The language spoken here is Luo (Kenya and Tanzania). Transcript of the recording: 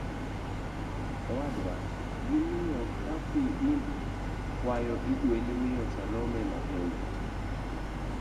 Owadwa.gi miyo Papi Dindi kwayo igweli miyo Salome Mapenzi